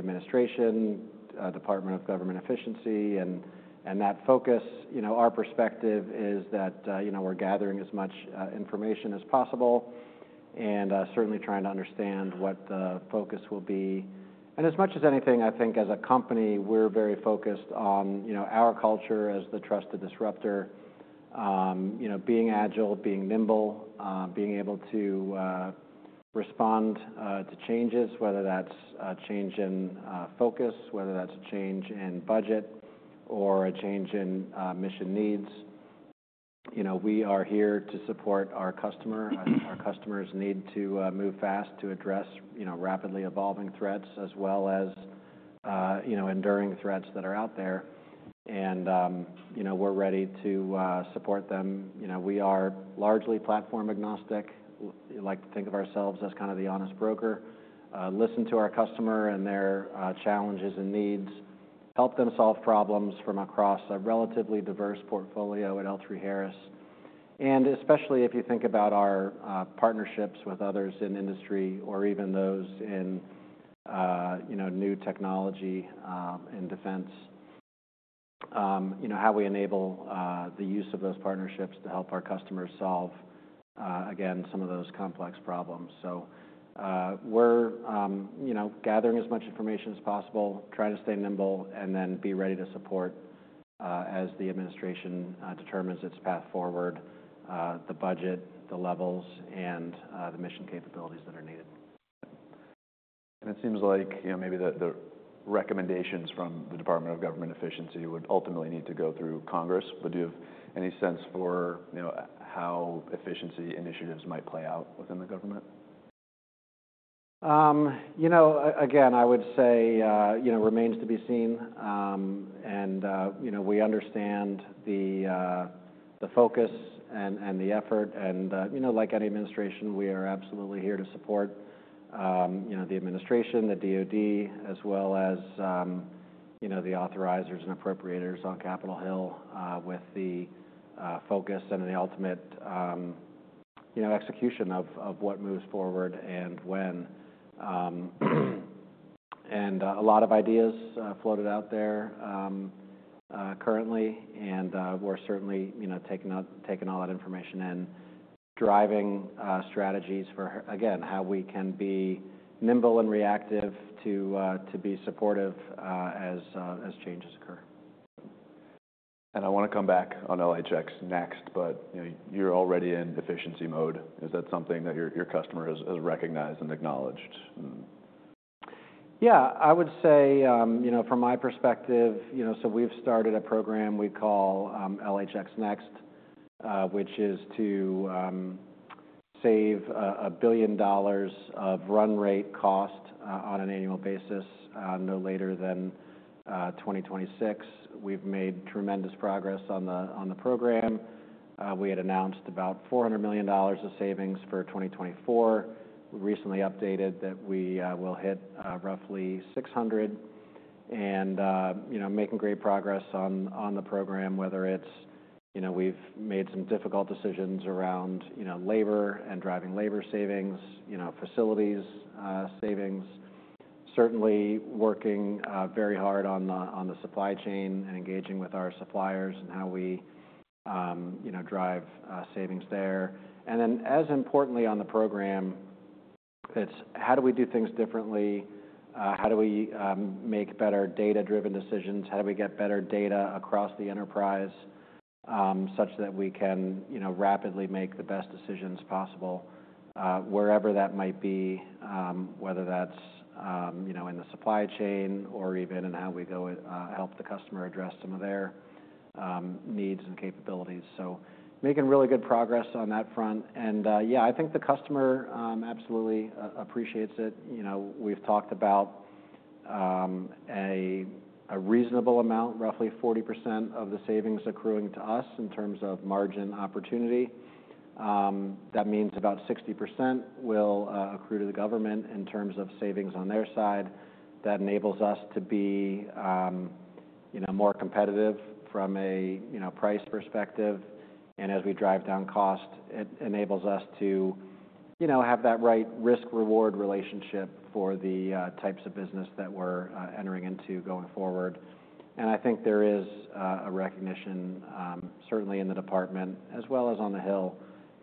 The new administration, Department of Government Efficiency, and that focus, you know, our perspective is that, you know, we're gathering as much information as possible and certainly trying to understand what the focus will be. As much as anything, I think as a company, we're very focused on, you know, our culture as the Trusted Disruptor, you know, being agile, being nimble, being able to respond to changes, whether that's a change in focus, whether that's a change in budget, or a change in mission needs. You know, we are here to support our customer. Our customers need to move fast to address, you know, rapidly evolving threats as well as, you know, enduring threats that are out there. You know, we're ready to support them. You know, we are largely platform agnostic. We like to think of ourselves as kind of the honest broker, listen to our customer and their challenges and needs, help them solve problems from across a relatively diverse portfolio at L3Harris. And especially if you think about our partnerships with others in industry or even those in, you know, new technology, in defense, you know, how we enable the use of those partnerships to help our customers solve, again, some of those complex problems. So, we're, you know, gathering as much information as possible, trying to stay nimble, and then be ready to support, as the administration determines its path forward, the budget, the levels, and the mission capabilities that are needed. It seems like, you know, maybe the recommendations from the Department of Government Efficiency would ultimately need to go through Congress. Would you have any sense for, you know, how efficiency initiatives might play out within the government? You know, again, I would say, you know, remains to be seen, and you know, we understand the focus and the effort, and you know, like any administration, we are absolutely here to support, you know, the administration, the DOD, as well as, you know, the authorizers and appropriators on Capitol Hill, with the focus and the ultimate, you know, execution of what moves forward and when, and a lot of ideas floated out there currently, and we're certainly, you know, taking all that information in, driving strategies for, again, how we can be nimble and reactive to be supportive, as changes occur. I wanna come back on LHX NeXT, but, you know, you're already in efficiency mode. Is that something that your customer has recognized and acknowledged? Yeah. I would say, you know, from my perspective, you know, so we've started a program we call LHX Next, which is to save $1 billion of run rate cost on an annual basis no later than 2026. We've made tremendous progress on the program. We had announced about $400 million of savings for 2024. We recently updated that we will hit roughly $600 million. You know, we're making great progress on the program, whether it's, you know, we've made some difficult decisions around, you know, labor and driving labor savings, you know, facilities savings. Certainly we're working very hard on the supply chain and engaging with our suppliers and how we, you know, drive savings there. And then, as importantly, on the program, it's how do we do things differently? How do we make better data-driven decisions? How do we get better data across the enterprise, such that we can, you know, rapidly make the best decisions possible, wherever that might be, whether that's, you know, in the supply chain or even in how we go and help the customer address some of their, needs and capabilities? So making really good progress on that front. And, yeah, I think the customer, absolutely, appreciates it. You know, we've talked about, a reasonable amount, roughly 40% of the savings accruing to us in terms of margin opportunity. That means about 60% will, accrue to the government in terms of savings on their side. That enables us to be, you know, more competitive from a, you know, price perspective. And as we drive down cost, it enables us to, you know, have that right risk-reward relationship for the, types of business that we're, entering into going forward. And I think there is a recognition, certainly in the department as well as on the Hill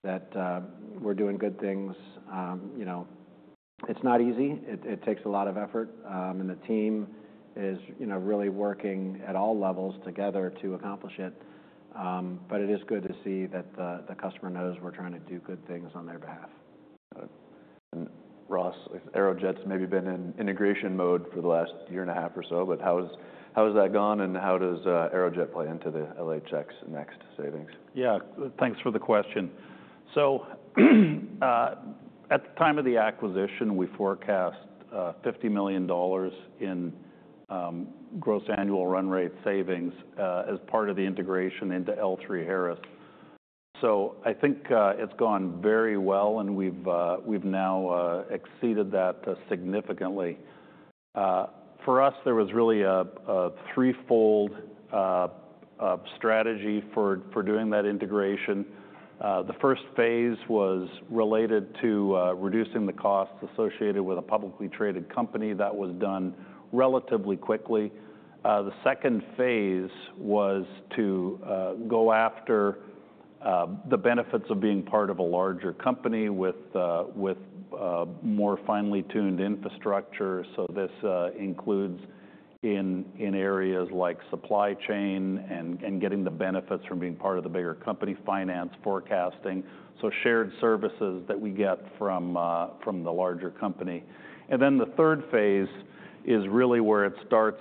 that we're doing good things. You know, it's not easy. It takes a lot of effort. And the team is, you know, really working at all levels together to accomplish it. But it is good to see that the customer knows we're trying to do good things on their behalf. Got it. And, Ross, Aerojet's maybe been in integration mode for the last year and a half or so, but how has that gone? And how does Aerojet play into the LHX Next savings? Yeah. Thanks for the question. So, at the time of the acquisition, we forecast $50 million in gross annual run rate savings as part of the integration into L3Harris. So I think it's gone very well, and we've now exceeded that significantly. For us, there was really a threefold strategy for doing that integration. The first phase was related to reducing the costs associated with a publicly traded company. That was done relatively quickly. The second phase was to go after the benefits of being part of a larger company with more finely tuned infrastructure. So this includes in areas like supply chain and getting the benefits from being part of the bigger company, finance, forecasting. So shared services that we get from the larger company. And then the third phase is really where it starts,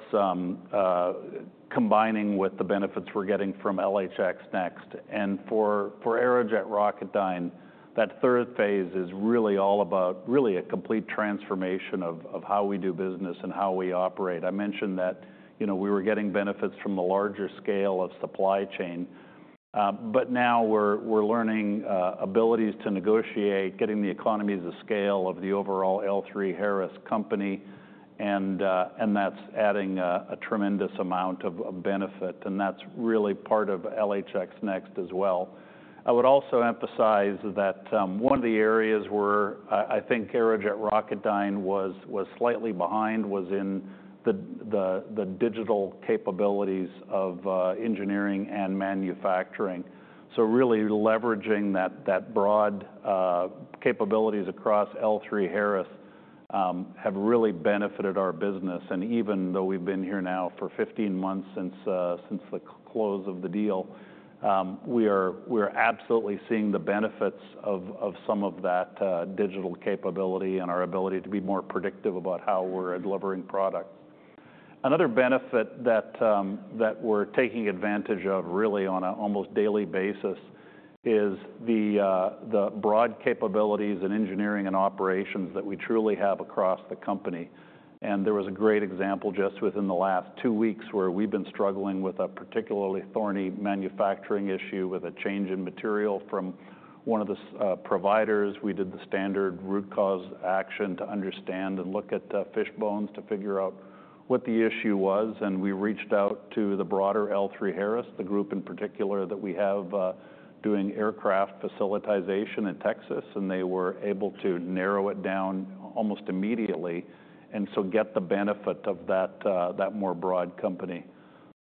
combining with the benefits we're getting from LHX Next. And for Aerojet Rocketdyne, that third phase is really all about really a complete transformation of how we do business and how we operate. I mentioned that, you know, we were getting benefits from the larger scale of supply chain, but now we're learning abilities to negotiate, getting the economies of scale of the overall L3Harris company. And that's adding a tremendous amount of benefit. And that's really part of LHX Next as well. I would also emphasize that, one of the areas where, I think Aerojet Rocketdyne was slightly behind was in the digital capabilities of engineering and manufacturing. So really leveraging that broad capabilities across L3Harris have really benefited our business. Even though we've been here now for 15 months since the close of the deal, we are absolutely seeing the benefits of some of that digital capability and our ability to be more predictive about how we're delivering products. Another benefit that we're taking advantage of really on an almost daily basis is the broad capabilities in engineering and operations that we truly have across the company. There was a great example just within the last two weeks where we've been struggling with a particularly thorny manufacturing issue with a change in material from one of the suppliers. We did the standard root cause action to understand and look at fishbones to figure out what the issue was. And we reached out to the broader L3Harris, the group in particular that we have doing aircraft fabrication in Texas, and they were able to narrow it down almost immediately and so get the benefit of that, that more broad company.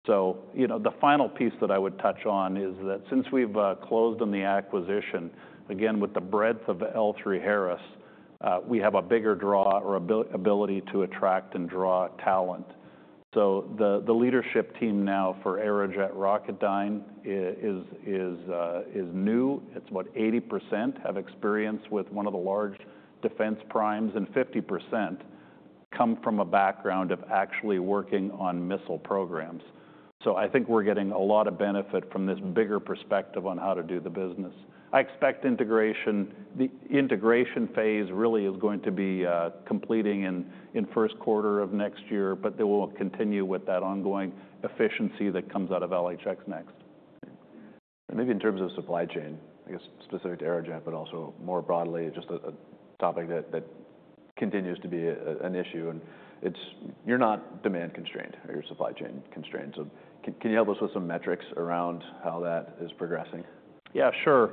So, you know, the final piece that I would touch on is that since we've closed on the acquisition, again, with the breadth of L3Harris, we have a bigger draw or ability to attract and draw talent. So the leadership team now for Aerojet Rocketdyne is new. It's what, 80% have experience with one of the large defense primes, and 50% come from a background of actually working on missile programs. So I think we're getting a lot of benefit from this bigger perspective on how to do the business. I expect the integration phase really is going to be completing in Q1 of next year, but they will continue with that ongoing efficiency that comes out of LHX Next. Maybe in terms of supply chain, I guess specific to Aerojet, but also more broadly, just a topic that continues to be an issue. It's you're not demand constrained or your supply chain constrained. Can you help us with some metrics around how that is progressing? Yeah, sure.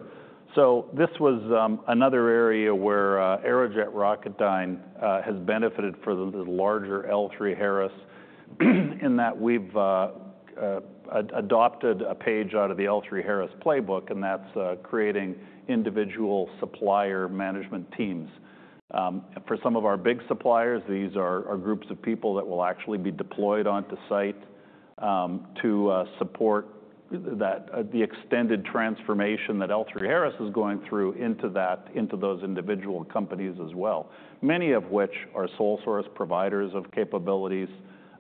So this was another area where Aerojet Rocketdyne has benefited from the larger L3Harris in that we've adopted a page out of the L3Harris playbook, and that's creating individual supplier management teams for some of our big suppliers. These are groups of people that will actually be deployed on site to support the extended transformation that L3Harris is going through into those individual companies as well, many of which are sole source providers of capabilities.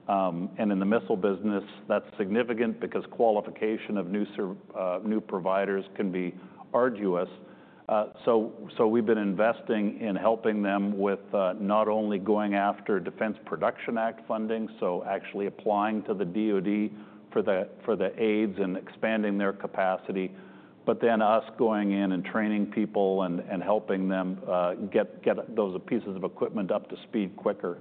And in the missile business, that's significant because qualification of new providers can be arduous. So we've been investing in helping them with not only going after Defense Production Act funding, so actually applying to the DOD for the aid and expanding their capacity, but then us going in and training people and helping them get those pieces of equipment up to speed quicker.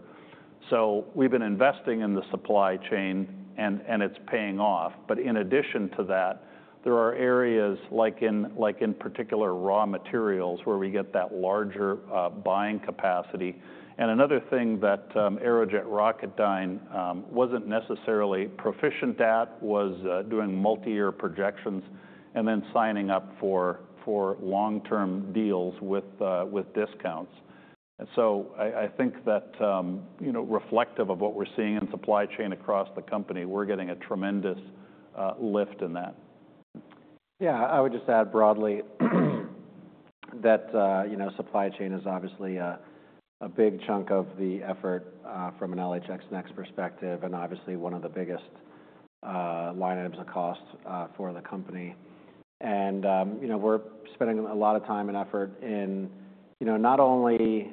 So we've been investing in the supply chain, and it's paying off. But in addition to that, there are areas like in particular raw materials where we get that larger buying capacity. And another thing that Aerojet Rocketdyne wasn't necessarily proficient at was doing multi-year projections and then signing up for long-term deals with discounts. And so I think that, you know, reflective of what we're seeing in supply chain across the company, we're getting a tremendous lift in that. Yeah. I would just add broadly that, you know, supply chain is obviously a big chunk of the effort, from an LHX Next perspective and obviously one of the biggest line items of cost for the company. And, you know, we're spending a lot of time and effort in, you know, not only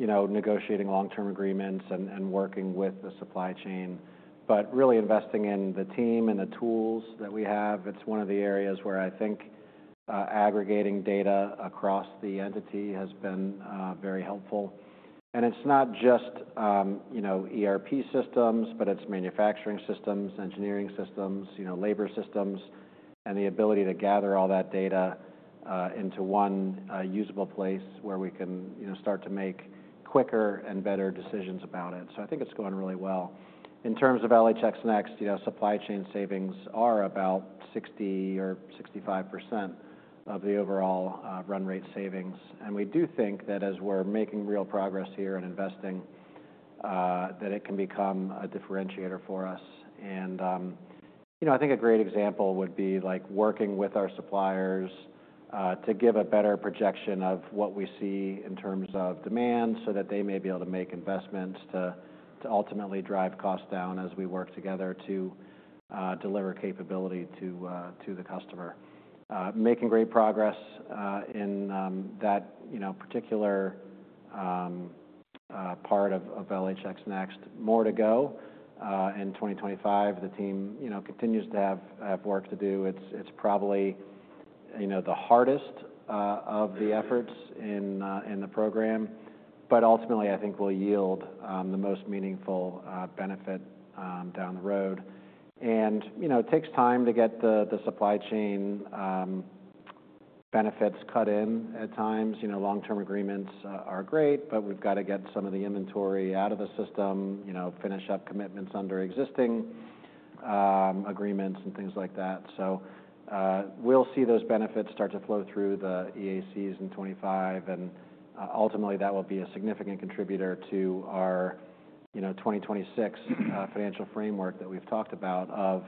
you know negotiating long-term agreements and working with the supply chain, but really investing in the team and the tools that we have. It's one of the areas where I think aggregating data across the entity has been very helpful. And it's not just, you know, ERP systems, but it's manufacturing systems, engineering systems, you know, labor systems, and the ability to gather all that data into one usable place where we can, you know, start to make quicker and better decisions about it. So I think it's going really well. In terms of LHX Next, you know, supply chain savings are about 60% or 65% of the overall run rate savings. We do think that as we're making real progress here and investing, that it can become a differentiator for us. You know, I think a great example would be like working with our suppliers to give a better projection of what we see in terms of demand so that they may be able to make investments to ultimately drive costs down as we work together to deliver capability to the customer. Making great progress in that, you know, particular part of LHX Next. More to go in 2025. The team, you know, continues to have work to do. It's probably, you know, the hardest of the efforts in the program, but ultimately I think will yield the most meaningful benefit down the road. You know, it takes time to get the supply chain benefits cut in at times. You know, long-term agreements are great, but we've got to get some of the inventory out of the system, you know, finish up commitments under existing agreements and things like that. So, we'll see those benefits start to flow through the EACs in 2025. Ultimately that will be a significant contributor to our, you know, 2026 financial framework that we've talked about of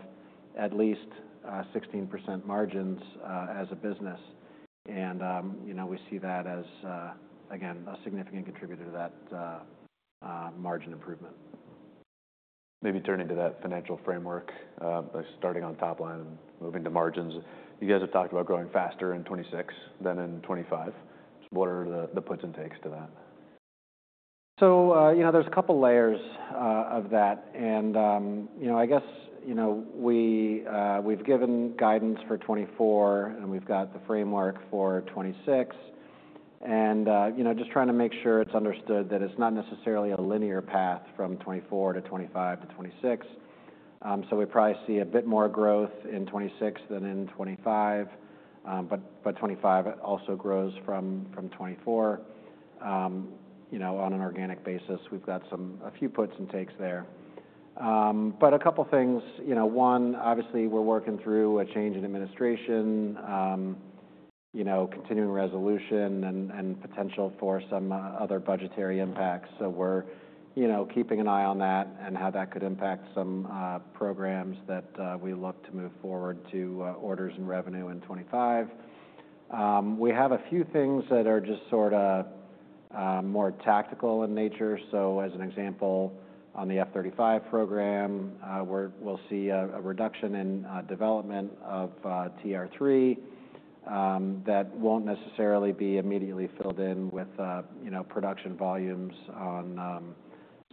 at least 16% margins as a business. You know, we see that as, again, a significant contributor to that margin improvement. Maybe turning to that financial framework, like starting on top line and moving to margins. You guys have talked about growing faster in 2026 than in 2025. What are the puts and takes to that? So, you know, there's a couple layers of that. And, you know, I guess, you know, we, we've given guidance for 2024, and we've got the framework for 2026. And, you know, just trying to make sure it's understood that it's not necessarily a linear path from 2024 to 2025 to 2026. So we probably see a bit more growth in 2026 than in 2025. But 2025 also grows from 2024, you know, on an organic basis. We've got some a few puts and takes there. But a couple things, you know, one, obviously we're working through a change in administration, you know, continuing resolution and potential for some other budgetary impacts. So we're, you know, keeping an eye on that and how that could impact some programs that we look to move forward to orders and revenue in 2025. We have a few things that are just sort of more tactical in nature. So as an example, on the F-35 program, we'll see a reduction in development of TR-3 that won't necessarily be immediately filled in with, you know, production volumes on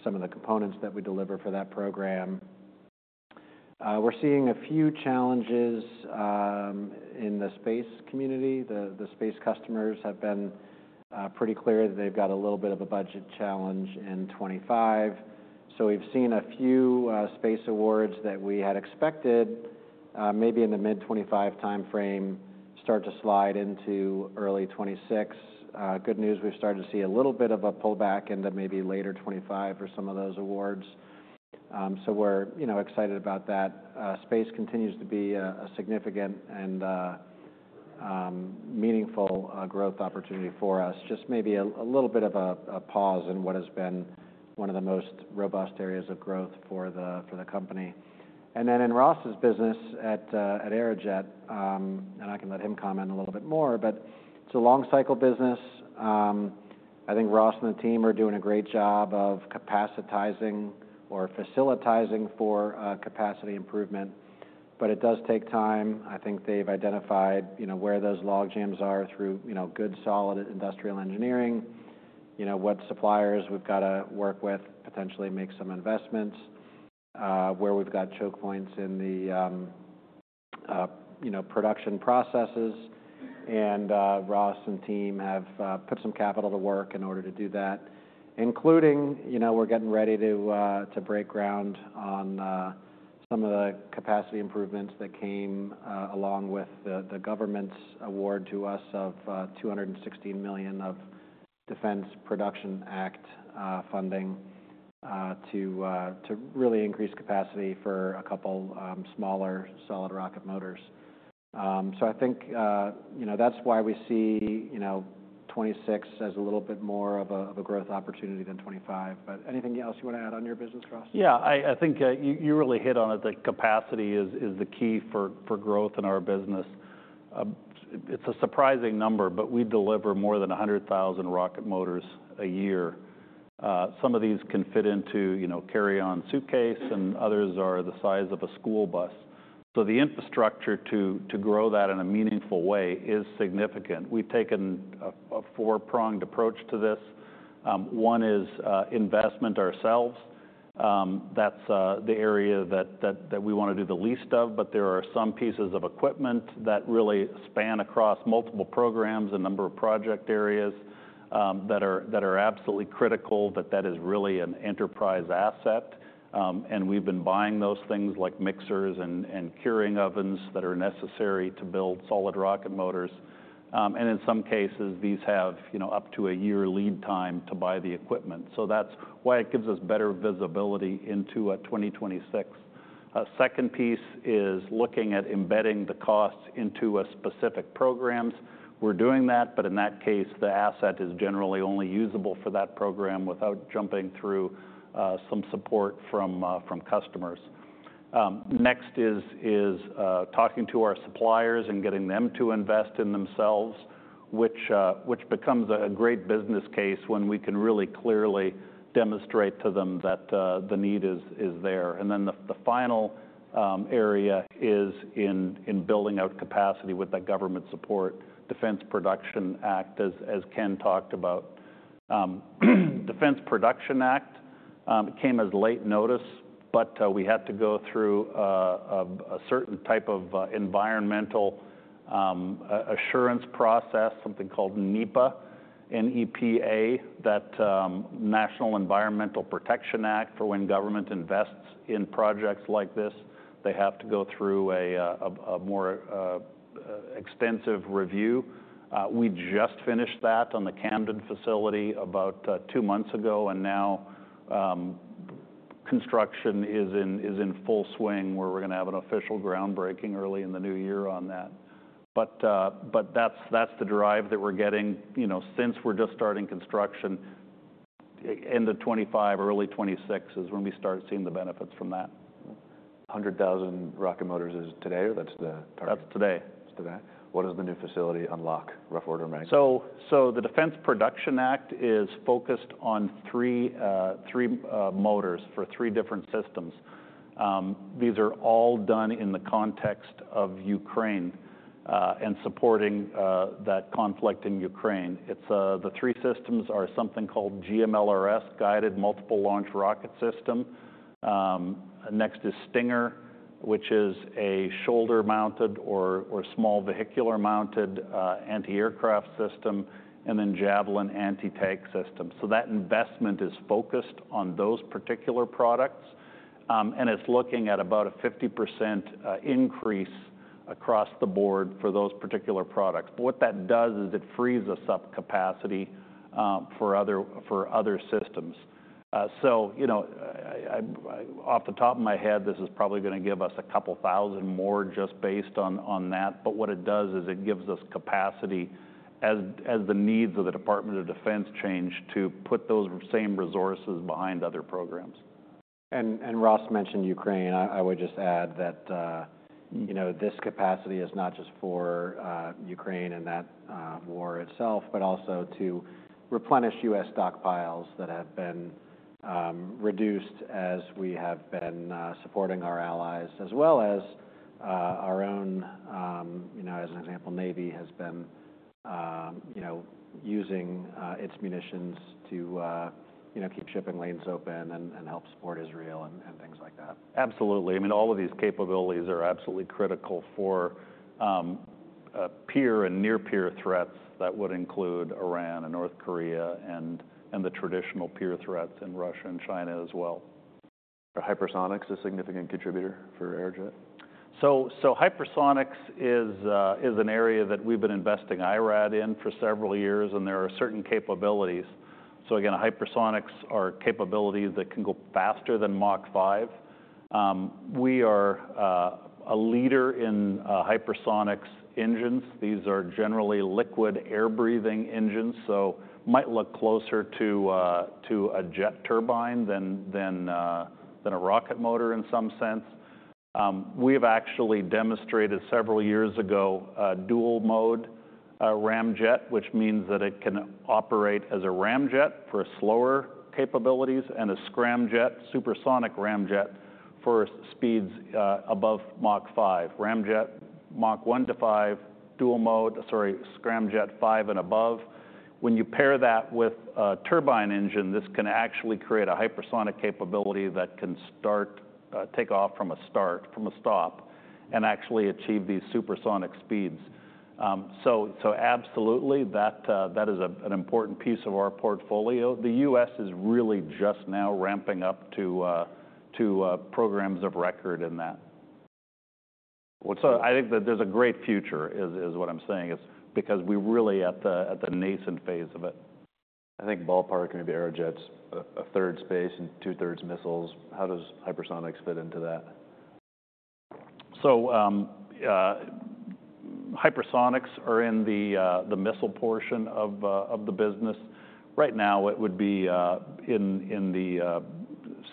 some of the components that we deliver for that program. We're seeing a few challenges in the space community. The space customers have been pretty clear that they've got a little bit of a budget challenge in 2025. So we've seen a few space awards that we had expected maybe in the mid-2025 timeframe start to slide into early 2026. Good news, we've started to see a little bit of a pullback into maybe later 2025 for some of those awards. So we're, you know, excited about that. Space continues to be a significant and meaningful growth opportunity for us. Just maybe a little bit of a pause in what has been one of the most robust areas of growth for the company. And then in Ross's business at Aerojet, and I can let him comment a little bit more, but it's a long-cycle business. I think Ross and the team are doing a great job of capacitizing or facilitizing for capacity improvement. But it does take time. I think they've identified, you know, where those log jams are through, you know, good, solid industrial engineering, you know, what suppliers we've got to work with, potentially make some investments, where we've got choke points in the, you know, production processes. Ross and team have put some capital to work in order to do that, including, you know, we're getting ready to break ground on some of the capacity improvements that came along with the government's award to us of $216 million of Defense Production Act funding to really increase capacity for a couple smaller solid rocket motors. So I think, you know, that's why we see, you know, 2026 as a little bit more of a growth opportunity than 2025. But anything else you want to add on your business, Ross? Yeah. I think you really hit on it. The capacity is the key for growth in our business. It's a surprising number, but we deliver more than 100,000 rocket motors a year. Some of these can fit into, you know, carry-on suitcase, and others are the size of a school bus. So the infrastructure to grow that in a meaningful way is significant. We've taken a four-pronged approach to this. One is investment ourselves. That's the area that we want to do the least of, but there are some pieces of equipment that really span across multiple programs and number of project areas, that are absolutely critical, but that is really an enterprise asset. And we've been buying those things like mixers and curing ovens that are necessary to build solid rocket motors. And in some cases, these have, you know, up to a year lead time to buy the equipment. So that's why it gives us better visibility into 2026. Second piece is looking at embedding the costs into specific programs. We're doing that, but in that case, the asset is generally only usable for that program without jumping through some support from customers. Next is talking to our suppliers and getting them to invest in themselves, which becomes a great business case when we can really clearly demonstrate to them that the need is there. And then the final area is in building out capacity with that government support, Defense Production Act, as Ken talked about. Defense Production Act, it came as late notice, but we had to go through a certain type of environmental assurance process, something called NEPA, N-E-P-A, that National Environmental Policy Act. For when government invests in projects like this, they have to go through a more extensive review. We just finished that on the Camden facility about two months ago, and now construction is in full swing where we're going to have an official groundbreaking early in the new year on that. But that's the drive that we're getting, you know, since we're just starting construction, end of 2025, early 2026 is when we start seeing the benefits from that. 100,000 rocket motors is today or that's the target? That's today. Today. What does the new facility unlock, rough order rank? The Defense Production Act is focused on three motors for three different systems. These are all done in the context of Ukraine and supporting that conflict in Ukraine. The three systems are something called GMLRS, Guided Multiple Launch Rocket System. Next is Stinger, which is a shoulder-mounted or small vehicular-mounted anti-aircraft system, and then Javelin anti-tank system. That investment is focused on those particular products, and it's looking at about a 50% increase across the board for those particular products. But what that does is it frees up capacity for other systems. You know, off the top of my head, this is probably going to give us a couple thousand more just based on that. But what it does is it gives us capacity as the needs of the Department of Defense change to put those same resources behind other programs. Ross mentioned Ukraine. I would just add that, you know, this capacity is not just for Ukraine and that war itself, but also to replenish U.S. stockpiles that have been reduced as we have been supporting our allies as well as our own. You know, as an example, Navy has been using its munitions to keep shipping lanes open and help support Israel and things like that. Absolutely. I mean, all of these capabilities are absolutely critical for peer and near-peer threats that would include Iran and North Korea and the traditional peer threats in Russia and China as well. Hypersonics is a significant contributor for Aerojet? Hypersonics is an area that we've been investing IRAD in for several years, and there are certain capabilities. Again, hypersonics are capabilities that can go faster than Mach 5. We are a leader in hypersonics engines. These are generally liquid air-breathing engines, so might look closer to a jet turbine than a rocket motor in some sense. We have actually demonstrated several years ago dual-mode ramjet, which means that it can operate as a ramjet for slower capabilities and a scramjet, supersonic ramjet for speeds above Mach 5. Ramjet Mach 1 to 5, dual-mode, sorry, scramjet 5 and above. When you pair that with a turbine engine, this can actually create a hypersonic capability that can start, take off from a stop, and actually achieve these supersonic speeds. Absolutely, that is an important piece of our portfolio. The U.S. is really just now ramping up to programs of record in that. What's the? So I think that there's a great future, what I'm saying is, because we're really at the nascent phase of it. I think ballpark maybe Aerojet's a third space and two-thirds missiles. How does hypersonics fit into that? Hypersonics are in the missile portion of the business. Right now it would be in the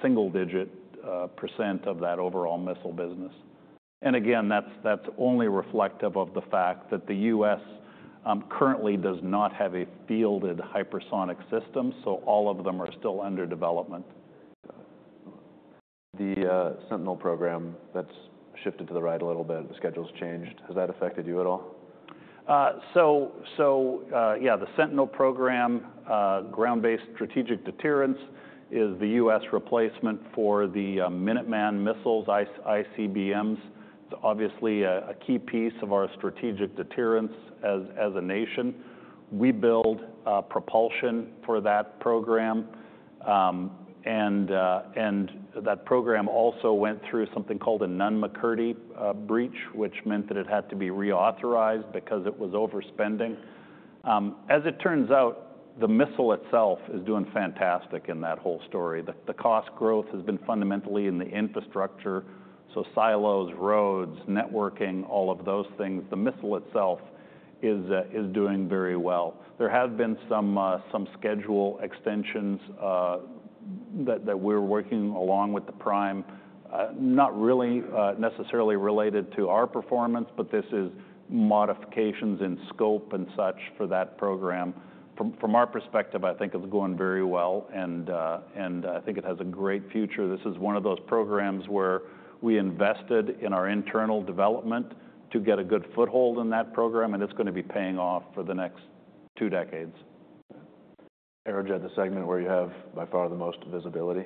single-digit % of that overall missile business. Again, that's only reflective of the fact that the U.S. currently does not have a fielded hypersonic system, so all of them are still under development. The Sentinel program that's shifted to the right a little bit, the schedule's changed. Has that affected you at all? Yeah, the Sentinel program, Ground-Based Strategic Deterrence is the U.S. replacement for the Minuteman missiles, ICBMs. It's obviously a key piece of our strategic deterrence as a nation. We build propulsion for that program. And that program also went through something called a Nunn-McCurdy breach, which meant that it had to be reauthorized because it was overspending. As it turns out, the missile itself is doing fantastic in that whole story. The cost growth has been fundamentally in the infrastructure. Silos, roads, networking, all of those things. The missile itself is doing very well. There have been some schedule extensions that we're working along with the prime, not really necessarily related to our performance, but this is modifications in scope and such for that program. From our perspective, I think it's going very well and I think it has a great future. This is one of those programs where we invested in our internal development to get a good foothold in that program, and it's going to be paying off for the next two decades. Aerojet, the segment where you have by far the most visibility.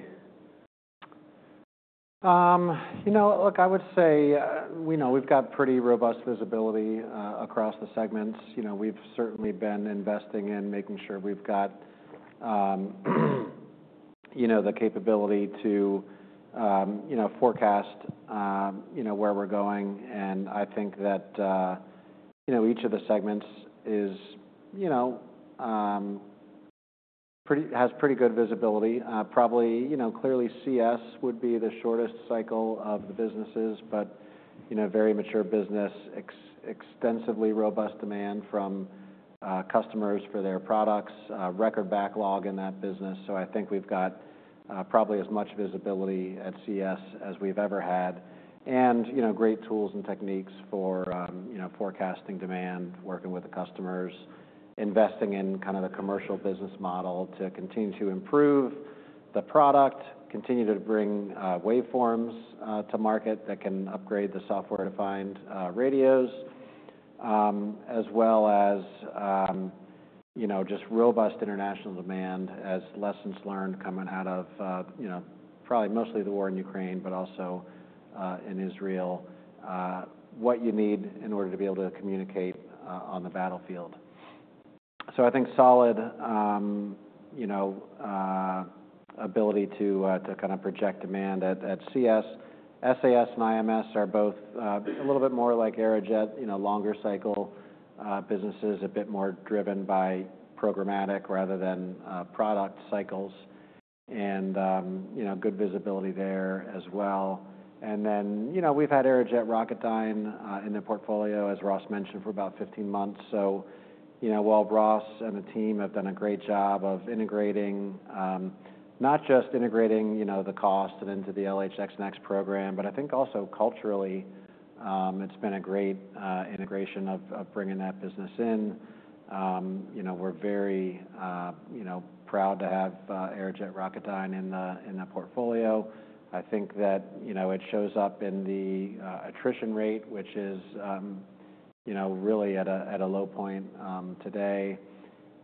You know, look, I would say, you know, we've got pretty robust visibility across the segments. You know, we've certainly been investing in making sure we've got, you know, the capability to, you know, forecast, you know, where we're going. And I think that, you know, each of the segments is, you know, pretty, has pretty good visibility. Probably, you know, clearly CS would be the shortest cycle of the businesses, but, you know, very mature business, extensively robust demand from customers for their products, record backlog in that business. So I think we've got, probably as much visibility at CS as we've ever had. And you know great tools and techniques for you know forecasting demand, working with the customers, investing in kind of the commercial business model to continue to improve the product, continue to bring waveforms to market that can upgrade the software-defined radios, as well as you know just robust international demand as lessons learned coming out of you know probably mostly the war in Ukraine, but also in Israel, what you need in order to be able to communicate on the battlefield. So I think solid you know ability to kind of project demand at CS. SAS and IMS are both a little bit more like Aerojet you know longer cycle businesses, a bit more driven by programmatic rather than product cycles. And you know we've had Aerojet Rocketdyne in the portfolio, as Ross mentioned, for about 15 months. So, you know, while Ross and the team have done a great job of integrating, not just integrating, you know, the cost and into the LHX Next program, but I think also culturally, it's been a great integration of bringing that business in. You know, we're very, you know, proud to have Aerojet Rocketdyne in the portfolio. I think that, you know, it shows up in the attrition rate, which is, you know, really at a low point today.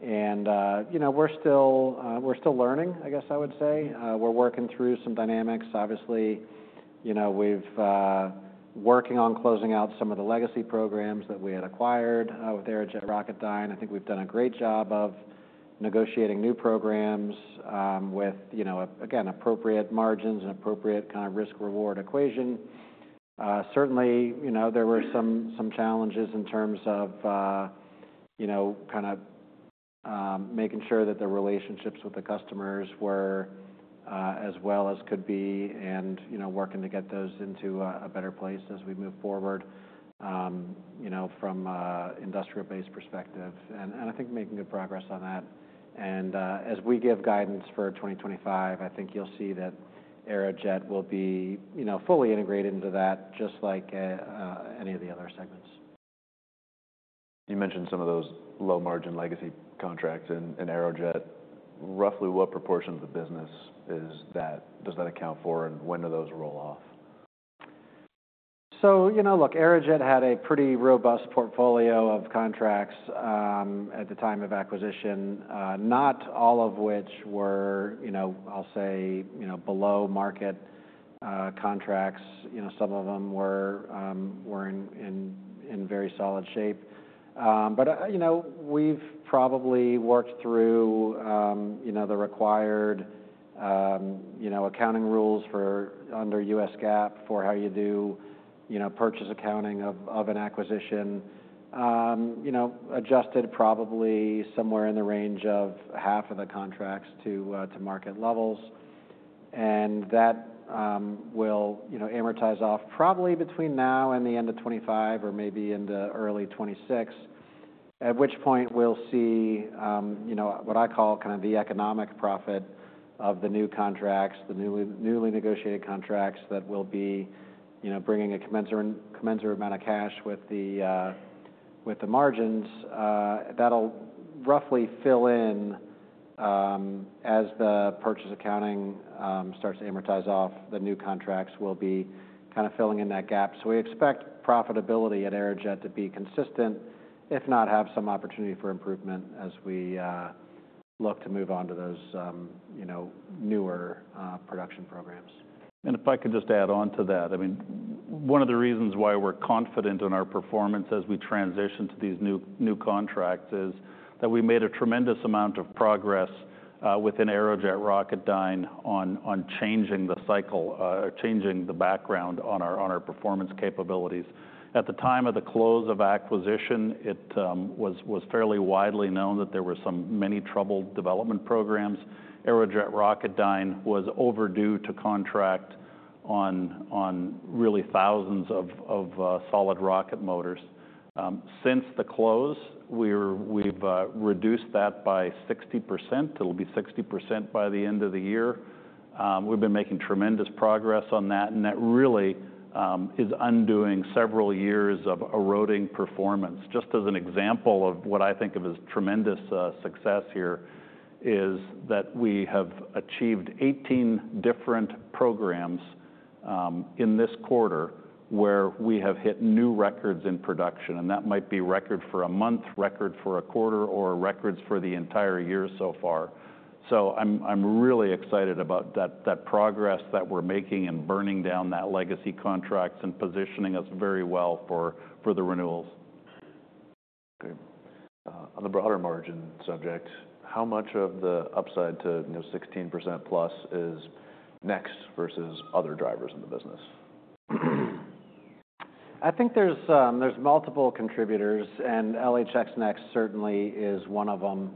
And, you know, we're still learning, I guess I would say. We're working through some dynamics. Obviously, you know, we've working on closing out some of the legacy programs that we had acquired with Aerojet Rocketdyne. I think we've done a great job of negotiating new programs, with, you know, again, appropriate margins and appropriate kind of risk-reward equation. Certainly, you know, there were some challenges in terms of, you know, kind of, making sure that the relationships with the customers were as well as could be and, you know, working to get those into a better place as we move forward, you know, from industrial-based perspective. And I think making good progress on that. And as we give guidance for 2025, I think you'll see that Aerojet will be, you know, fully integrated into that, just like any of the other segments. You mentioned some of those low-margin legacy contracts in Aerojet. Roughly what proportion of the business is that does that account for and when do those roll off? You know, look, Aerojet had a pretty robust portfolio of contracts, at the time of acquisition, not all of which were, you know, I'll say, you know, below-market contracts. You know, some of them were in very solid shape. But, you know, we've probably worked through, you know, the required, you know, accounting rules for under U.S. GAAP for how you do, you know, purchase accounting of an acquisition. You know, adjusted probably somewhere in the range of half of the contracts to market levels. That will, you know, amortize off probably between now and the end of 2025 or maybe into early 2026, at which point we'll see, you know, what I call kind of the economic profit of the new contracts, the newly negotiated contracts that will be, you know, bringing a commensurate amount of cash with the, with the margins. That'll roughly fill in, as the purchase accounting starts to amortize off. The new contracts will be kind of filling in that gap. We expect profitability at Aerojet to be consistent, if not have some opportunity for improvement as we look to move on to those, you know, newer production programs. If I could just add on to that, I mean, one of the reasons why we're confident in our performance as we transition to these new contracts is that we made a tremendous amount of progress within Aerojet Rocketdyne on changing the cycle, changing the background on our performance capabilities. At the time of the close of acquisition, it was fairly widely known that there were so many troubled development programs. Aerojet Rocketdyne was overdue to contract on really thousands of solid rocket motors. Since the close, we've reduced that by 60%. It'll be 60% by the end of the year. We've been making tremendous progress on that, and that really is undoing several years of eroding performance. Just as an example of what I think of as tremendous success here is that we have achieved 18 different programs in this quarter where we have hit new records in production. And that might be record for a month, record for a quarter, or records for the entire year so far. So I'm really excited about that progress that we're making and burning down that legacy contracts and positioning us very well for the renewals. Okay. On the broader margin subject, how much of the upside to, you know, 16% plus is Next versus other drivers in the business? I think there's multiple contributors, and LHX Next certainly is one of them,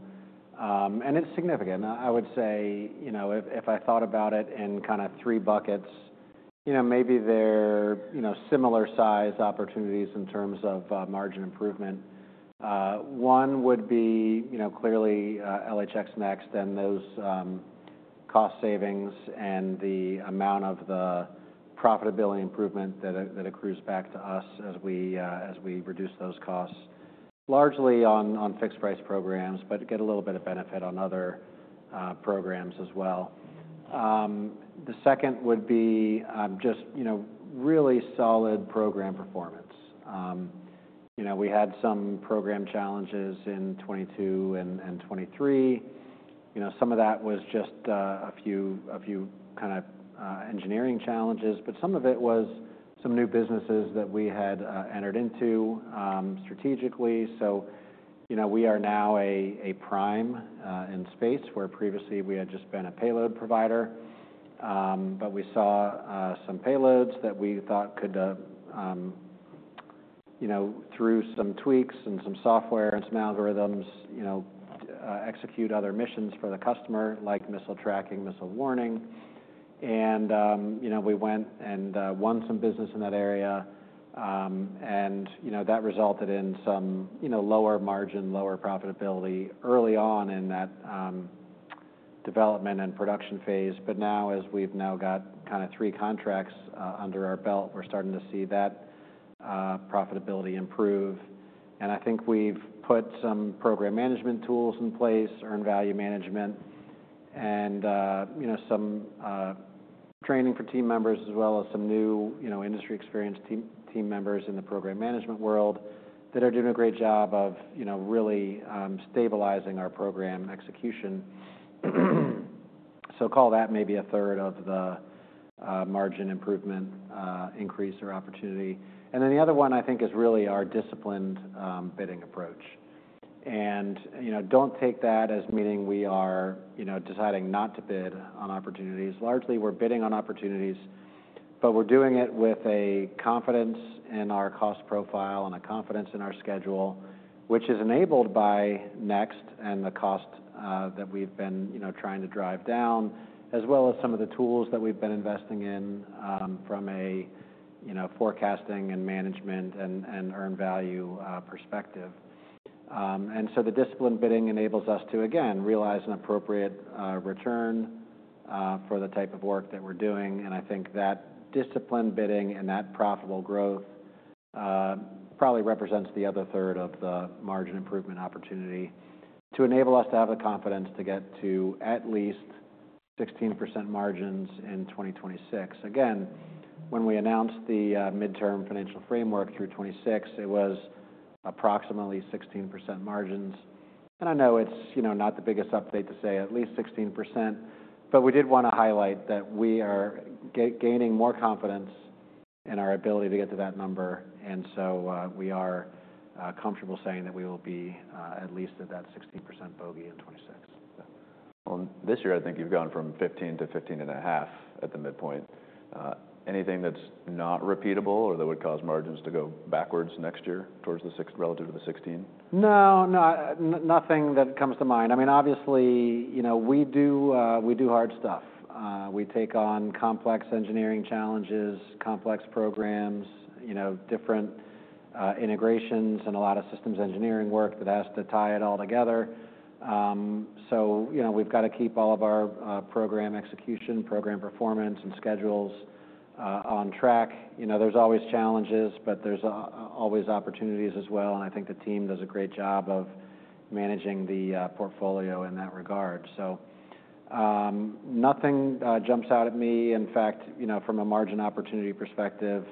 and it's significant. I would say, you know, if I thought about it in kind of three buckets, you know, maybe they're, you know, similar size opportunities in terms of margin improvement. One would be, you know, clearly, LHX Next and those cost savings and the amount of the profitability improvement that accrues back to us as we reduce those costs largely on fixed-price programs, but get a little bit of benefit on other programs as well. The second would be, just, you know, really solid program performance. You know, we had some program challenges in 2022 and 2023. You know, some of that was just a few kind of engineering challenges, but some of it was some new businesses that we had entered into strategically. So, you know, we are now a prime in space where previously we had just been a payload provider. But we saw some payloads that we thought could, you know, through some tweaks and some software and some algorithms, you know, execute other missions for the customer like missile tracking, missile warning. And, you know, we went and won some business in that area. And, you know, that resulted in some, you know, lower margin, lower profitability early on in that development and production phase. But now, as we've now got kind of three contracts under our belt, we're starting to see that profitability improve. And I think we've put some program management tools in place, earned value management, and, you know, some training for team members as well as some new, you know, industry-experienced team members in the program management world that are doing a great job of, you know, really stabilizing our program execution. So call that maybe a third of the margin improvement, increase or opportunity. And then the other one I think is really our disciplined bidding approach. And, you know, don't take that as meaning we are, you know, deciding not to bid on opportunities. Largely, we're bidding on opportunities, but we're doing it with a confidence in our cost profile and a confidence in our schedule, which is enabled by Next and the cost that we've been, you know, trying to drive down, as well as some of the tools that we've been investing in, from a you know, forecasting and management and earned value perspective. So the discipline bidding enables us to, again, realize an appropriate return for the type of work that we're doing. I think that discipline bidding and that profitable growth probably represents the other third of the margin improvement opportunity to enable us to have the confidence to get to at least 16% margins in 2026. Again, when we announced the midterm financial framework through 2026, it was approximately 16% margins. I know it's, you know, not the biggest update to say at least 16%, but we did want to highlight that we are gaining more confidence in our ability to get to that number. So, we are comfortable saying that we will be at least at that 16% bogey in 2026. This year, I think you've gone from 15 to 15.5 at the midpoint. Anything that's not repeatable or that would cause margins to go backwards next year towards the 15 relative to the 16? No, no, nothing that comes to mind. I mean, obviously, you know, we do, we do hard stuff. We take on complex engineering challenges, complex programs, you know, different integrations and a lot of systems engineering work that has to tie it all together. You know, we've got to keep all of our program execution, program performance, and schedules on track. You know, there's always challenges, but there's always opportunities as well. I think the team does a great job of managing the portfolio in that regard. Nothing jumps out at me. In fact, you know, from a margin opportunity perspective,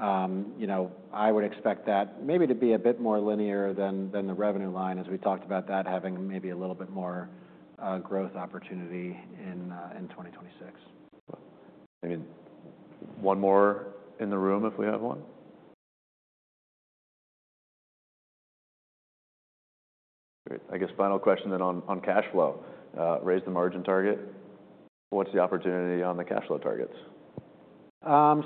you know, I would expect that maybe to be a bit more linear than the revenue line as we talked about that having maybe a little bit more growth opportunity in 2026. I mean, one more in the room if we have one. Great. I guess final question then on cash flow, raise the margin target. What's the opportunity on the cash flow targets?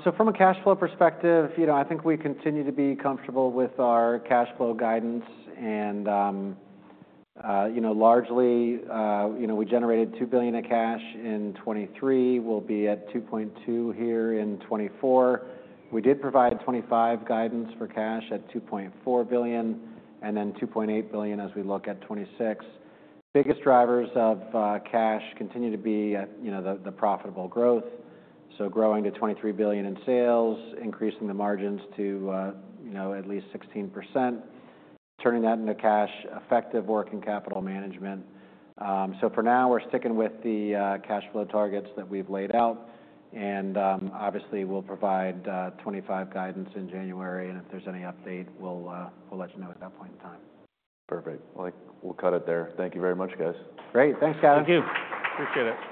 So from a cash flow perspective, you know, I think we continue to be comfortable with our cash flow guidance. And, you know, largely, you know, we generated $2 billion of cash in 2023. We'll be at $2.2 billion here in 2024. We did provide 2025 guidance for cash at $2.4 billion and then $2.8 billion as we look at 2026. Biggest drivers of cash continue to be, you know, the profitable growth. So growing to $23 billion in sales, increasing the margins to, you know, at least 16%, turning that into cash effective work and capital management. So for now, we're sticking with the cash flow targets that we've laid out. And, obviously, we'll provide 2025 guidance in January. And if there's any update, we'll let you know at that point in time. Perfect. Well, I think we'll cut it there. Thank you very much, guys. Great. Thanks, guys. Thank you. Appreciate it.